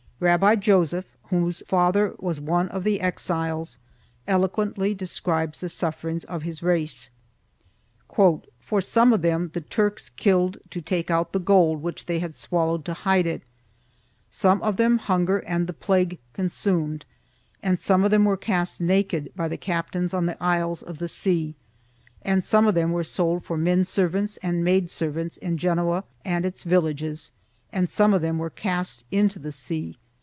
Rabbi Joseph, whose father was one of the exiles, eloquently describes the sufferings of his race: "For some of them the Turks killed to take out the gold which they had swallowed to hide it; some of them hunger and the plague consumed and some of them were cast naked by the captains on the isles of the sea; and some of them were sold for men servants and maid servants in Genoa and its villages and some of them were cast into the sea.